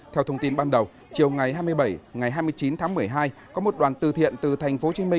theo thông tin ban đầu chiều ngày hai mươi bảy ngày hai mươi chín tháng một mươi hai có một đoàn tư thiện từ tp hcm